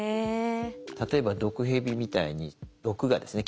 例えば毒ヘビみたいに毒牙ですね